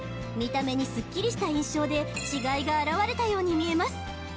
見た目にすっきりした印象で違いが表れたように見えます